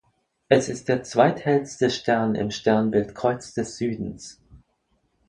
Es ist der zweithellste Stern im Sternbild Kreuz des Südens.